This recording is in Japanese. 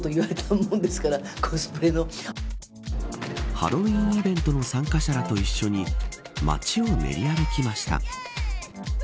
ハロウィーンイベントの参加者らと一緒に街を練り歩きました。